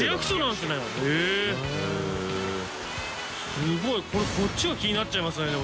すごいこれこっちが気になっちゃいますねでも。